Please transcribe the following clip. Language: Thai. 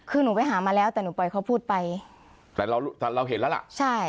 คือหนูไปหามาแล้วแต่หนูปล่อยเขาพูดไปแต่เราแต่เราเห็นแล้วล่ะใช่